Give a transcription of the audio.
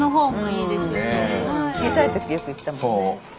小さいときよく行ったもんね。